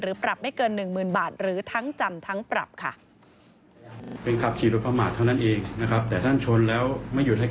หรือปรับไม่เกิน๑หมื่นบาท